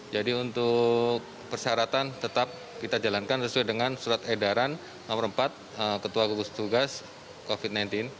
jadi untuk persyaratan tetap kita jalankan sesuai dengan surat edaran nomor empat ketua kegus tugas covid sembilan belas